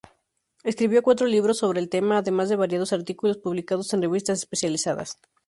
Escribió cuatro libros sobre el tema, además de variados artículos publicados en revistas especializadas.